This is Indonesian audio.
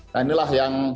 nah inilah yang